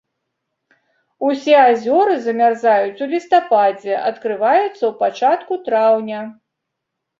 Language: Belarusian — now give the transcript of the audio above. Усе азёры замярзаюць у лістападзе, адкрываюцца ў пачатку траўня.